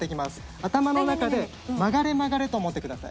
頭の中で曲がれ曲がれと思ってください。